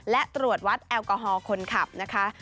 และตรวจวัดแอลกอฮอล์คนขับนะคะ